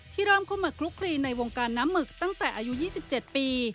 ที่เริ่มคุมเมิดกลุ๊กคลีในวงการน้ำหมึกตั้งแต่อายุ๒๗ปี